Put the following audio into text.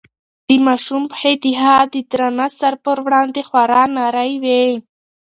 د ماشوم پښې د هغه د درانه سر په وړاندې خورا نرۍ وې.